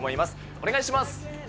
お願いします。